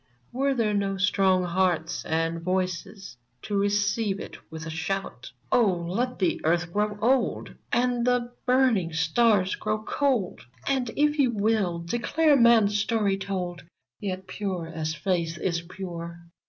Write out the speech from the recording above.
Were there no strong hearts and voices To receive it with a shout ? Oh / let the Earth grow old ! And the burniiig stars grow cold ! And, if you will, declare man^s story told ! Yet, pure as faith is pure.